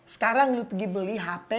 sekarang lo pergi beli hp